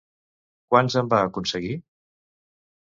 Quants en va aconseguir?